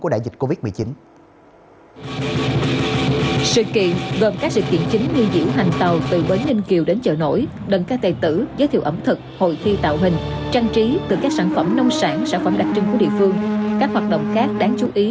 các hoạt động khác đáng chú ý